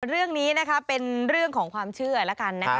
เรื่องนี้นะคะเป็นเรื่องของความเชื่อแล้วกันนะคะ